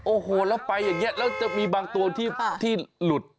โอ้โหแล้วไปอย่างนี้แล้วจะมีบางตัวที่หลุด